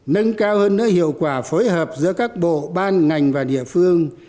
nâng cao hơn nữa hiệu quả phối hợp giữa các bộ ban ngành và địa phương